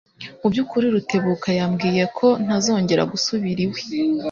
Mubyukuri, Rutebuka yambwiye ko ntazongera gusubira iwe.